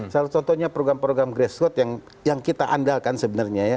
salah satu contohnya program program grassroot yang kita andalkan sebenarnya ya